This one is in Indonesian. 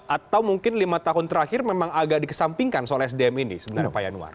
atau mungkin lima tahun terakhir memang agak dikesampingkan soal sdm ini sebenarnya pak yanuar